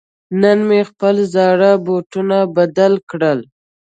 نن مې خپل زاړه بوټان بدل کړل.